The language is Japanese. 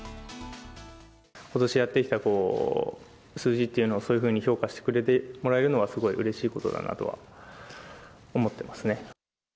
ことしやってきた数字っていうのを、そういうふうに評価してくれてもらえるのは、すごいうれしいことだなとは思ってますね。